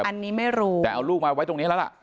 อันนี้ไม่รู้แต่เอาลูกมาไว้ตรงนี้แล้วล่ะ